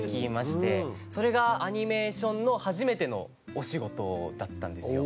それがアニメーションの初めてのお仕事だったんですよ。